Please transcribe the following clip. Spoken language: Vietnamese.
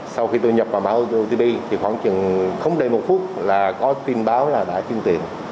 sau khi tôi nhập vào mã otp thì khoảng chừng không đầy một phút là có tin báo là đã chuyên tiền